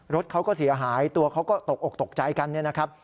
รถเขาก็เสียหายตัวเขาก็ตกอกตกใจกันเนี่ยนะครับ